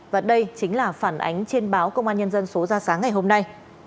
và đây chính là phản ánh trên báo công an nhân dân số ra sáng ngày hôm nay